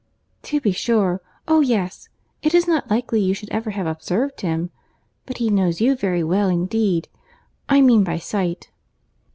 "To be sure. Oh yes! It is not likely you should ever have observed him; but he knows you very well indeed—I mean by sight."